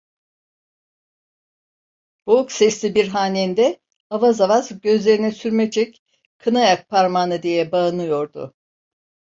Boğuk sesli bir hanende avaz avaz: "Gözlerine sürme çek, Kına yak parmağına!" diye bağınyordu.